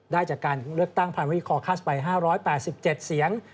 ได้จากการเลือกตั้งพันรี่คอคัสไป๕๘๗เสียง